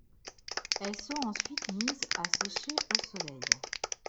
Elles sont ensuite mises à sécher au soleil.